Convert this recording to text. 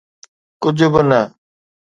ڪجھ به نه.